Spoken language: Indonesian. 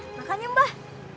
iya makan ya mbah